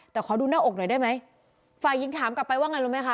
แต่ขอดูหน้าอกหน่อยได้ไหมฝ่ายหญิงถามกลับไปว่าไงรู้ไหมคะ